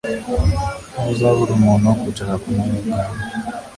Ntuzabura umuntu wo kwicara ku ntebe y ubwami